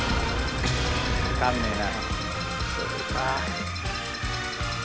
わかんねえな。